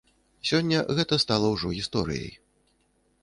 Сёння гэта стала ўжо гісторыяй.